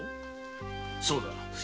そうだ。